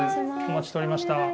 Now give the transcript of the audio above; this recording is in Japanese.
お待ちしておりました。